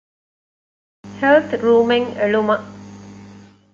ހެލްތުރޫމެއް އެޅުމަށް